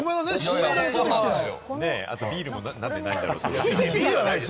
あとビールもなんでないんだろうって。